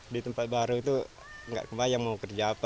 di tempat baru itu nggak kebayang mau kerja apa